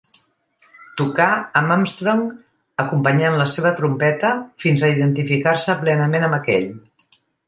Tocà amb Armstrong acompanyant la seva trompeta fins a identificar-se plenament amb aquell.